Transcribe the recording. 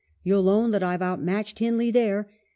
' You'll own that I've outmatched Hindley there.